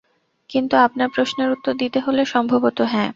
কিন্তু আপনার প্রশ্নের উত্তর দিতে হলে, সম্ভবত হ্যাঁ।